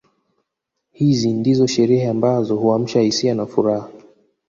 Hizi ndizo sherehe ambazo huamsha hisia za furaha